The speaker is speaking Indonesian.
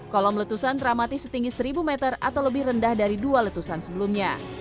kolom letusan dramatis setinggi seribu meter atau lebih rendah dari dua letusan sebelumnya